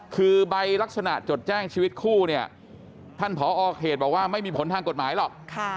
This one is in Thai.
คือใบลักษณะจดแจ้งชีวิตคู่เนี่ยท่านผอเขตบอกว่าไม่มีผลทางกฎหมายหรอก